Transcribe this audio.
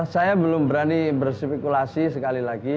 saya belum berani berspekulasi sekali lagi